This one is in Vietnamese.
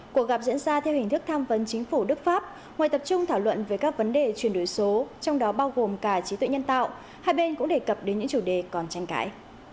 cuộc gặp diễn ra theo hình thức tham vấn chính phủ đức pháp ngoài tập trung thảo luận về các vấn đề chuyển đổi số trong đó bao gồm cả trí tuệ nhân tạo hai bên cũng đề cập đến những chủ đề còn tranh cãi